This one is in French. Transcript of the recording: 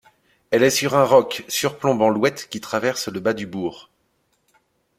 Elle est sur un roc surplombant l'Ouette qui traverse le bas du bourg.